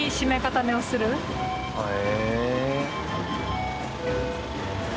へえ。